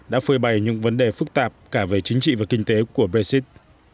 đã phơi bày những vấn đề phức tạp cả về chính trị và kinh tế của brexit